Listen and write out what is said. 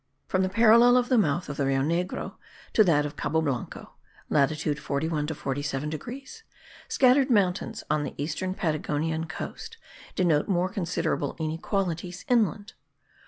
From the parallel of the mouth of the Rio Negro to that of Cabo Blanco (latitude 41 to 47 degrees) scattered mountains on the eastern Patagonian coast denote more considerable inequalities inland.